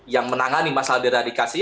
yang menangani masalah deradikasi